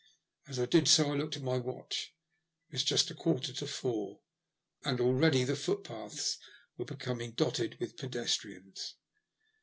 As I did so I looked at my watch. It was just a quarter to four, and already the footpaths were becoming dotted with pedestrians.